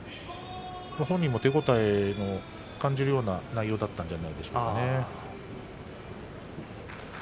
本人も手応えを感じるような内容だったんじゃないでしょうか。